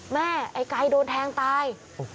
แม่ไอ้ไก่โดนแทงตาย